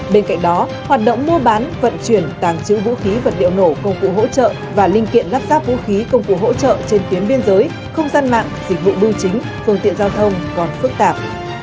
bên cạnh đó hoạt động mua bán vận chuyển tàng trữ vũ khí vật liệu nổ công cụ hỗ trợ và linh kiện lắp ráp vũ khí công cụ hỗ trợ trên tuyến biên giới không gian mạng dịch vụ bưu chính phương tiện giao thông còn phức tạp